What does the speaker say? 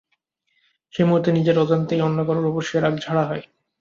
সেই মুহূর্তে নিজের অজান্তেই অন্য কারও ওপর সেই রাগ ঝাড়া হয়।